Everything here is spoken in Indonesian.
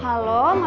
jalan jalan ke amin